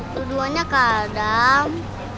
itu duanya kadang